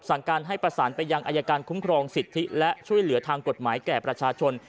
สั่งการให้ประสานไปยังอายการคุ้มครองสิทธิและช่วยเหลือทางกฎหมายแก่ประชาชน